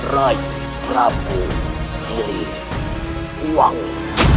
raih peramu siliwangi